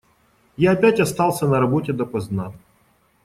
Я опять остался на работе допоздна.